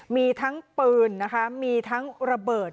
มีทั้งปืนนะคะมีทั้งระเบิด